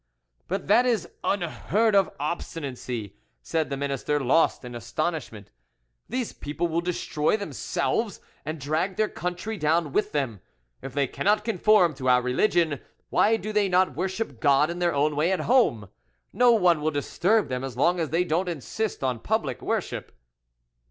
"But that is unheard of obstinacy," said the minister, lost in astonishment; "these people will destroy themselves, and drag their country down with them. If they cannot conform to our religion, why do they not worship God in their own way at home? No one will disturb them as long as they don't insist on public worship."